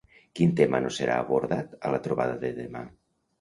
Quin tema no serà abordat a la trobada de demà?